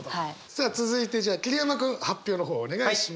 さあ続いてじゃあ桐山君発表の方お願いします。